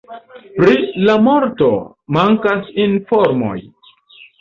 Pri la morto mankas informoj.